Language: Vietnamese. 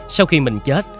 sau khi mình chết